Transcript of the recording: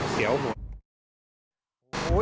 เสียวหมด